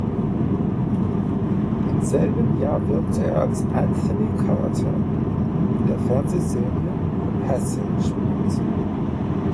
Im selben Jahr wirkte er als "Anthony Carter" in der Fernsehserie "The Passage" mit.